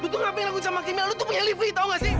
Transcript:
lo tuh ngapain lagi sama camilla lo tuh punya livi tau gak sih